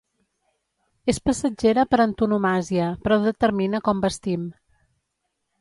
És passatgera per antonomàsia, però determina com vestim.